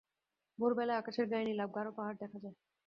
ভোরবেলায় আকাশের গায়ে নীলাভ গারো পাহাড় দেখা যায়।